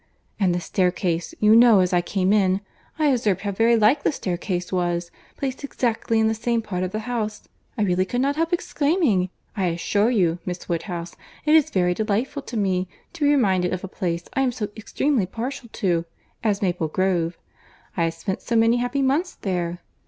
"And the staircase—You know, as I came in, I observed how very like the staircase was; placed exactly in the same part of the house. I really could not help exclaiming! I assure you, Miss Woodhouse, it is very delightful to me, to be reminded of a place I am so extremely partial to as Maple Grove. I have spent so many happy months there!